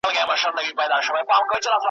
چي د قلم د زیندۍ شرنګ دي له پېزوانه نه ځي .